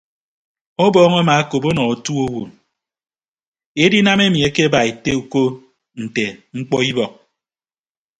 Ọbọọñ amaakop ọnọ otu owo edinam emi akeba ete uko nte mkpọ ibọk.